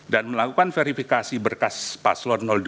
dan melakukan verifikasi berkas paslon dua